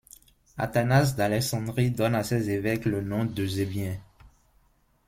Athanase d'Alexandrie donne à ces évêques le nom d'eusébiens.